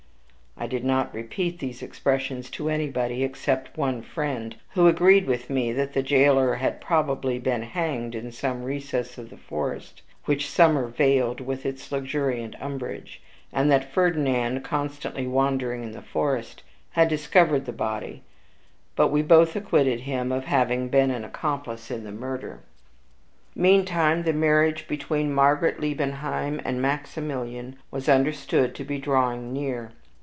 I did not repeat these expressions to anybody except one friend, who agreed with me that the jailer had probably been hanged in some recess of the forest, which summer veiled with its luxuriant umbrage; and that Ferdinand, constantly wandering in the forest, had discovered the body; but we both acquitted him of having been an accomplice in the murder. Meantime the marriage between Margaret Liebenheim and Maximilian was understood to be drawing near.